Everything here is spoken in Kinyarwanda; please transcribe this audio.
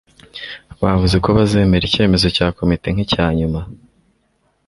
bavuze ko bazemera icyemezo cya komite nkicyanyuma